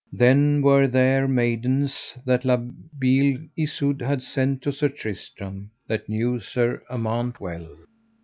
Then were there maidens that La Beale Isoud had sent to Sir Tristram, that knew Sir Amant well.